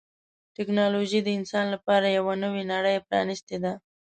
ټکنالوجي د انسان لپاره یوه نوې نړۍ پرانستې ده.